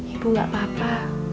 ibu gak apa apa